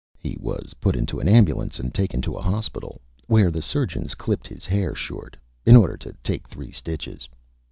He was put into an Ambulance and taken to a Hospital, where the Surgeons clipped his Hair short, in order to take Three Stitches.